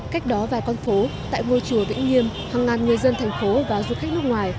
cách đó vài con phố tại ngôi chùa vĩnh nghiêm hàng ngàn người dân thành phố và du khách nước ngoài